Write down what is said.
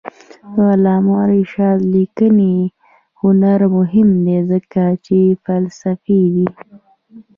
د علامه رشاد لیکنی هنر مهم دی ځکه چې فلسفي دی.